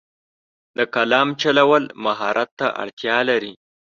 د قلم چلول مهارت ته اړتیا لري.